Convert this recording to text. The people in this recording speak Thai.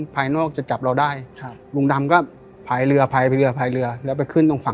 พุ่งหลาวลงเรือแล้วก็ไปได้เลย